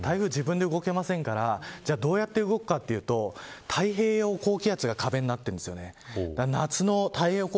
台風は自分で動けませんからじゃあどうやって動くかというと太平洋高気圧が壁になっているんです。